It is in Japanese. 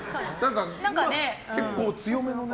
結構、強めのね。